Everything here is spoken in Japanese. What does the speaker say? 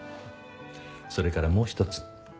それからもう一つ。